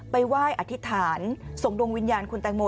ไปไหว้อธิษฐานส่งดวงวิญญาณคุณแตงโม